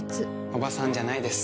おばさんじゃないです